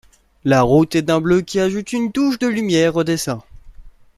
La route est d'un bleu qui ajoute une touche de lumière au dessin.